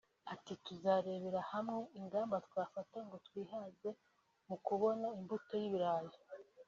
Ati “Tuzarebera hamwe ingamba twafata ngo twihaze mu kubona imbuto y’ibirayi